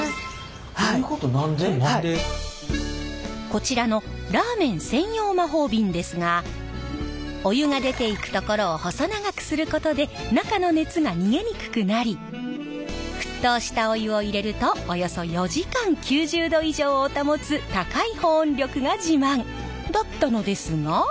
こちらのラーメン専用魔法瓶ですがお湯が出ていくところを細長くすることで中の熱が逃げにくくなり沸騰したお湯を入れるとおよそ４時間９０度以上を保つ高い保温力が自慢！だったのですが。